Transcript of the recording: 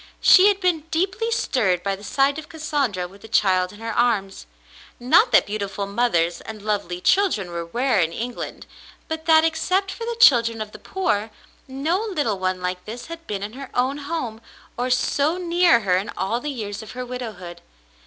She had been deeply stirred by the sight of Cassandra with the child in her arms. Not that beautiful mothers Cassandra at Queensderry 287 and lovely children were rare in England; but that, ex cept for the children of the poor, no little one like this had been in her own home or so near her in all the years of her widowhood.